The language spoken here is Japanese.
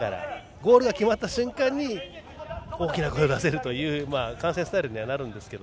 ゴールが決まった瞬間に大きな声を出せるという観戦スタイルにはなるんですが。